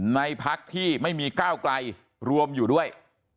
ในภักดิ์ที่ไม่มีก้าวกลายรวมอยู่ด้วย